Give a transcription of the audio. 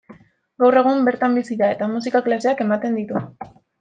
Gaur egun bertan bizi da eta musika klaseak ematen ditu.